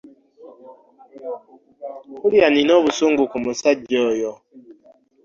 Mpulira nina obusungu ku musajja oyo.